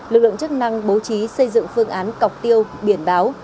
lực lượng chức năng bố trí xây dựng phương án cọc tiêu biển báo